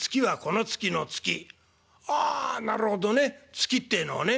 月ってえのはね」。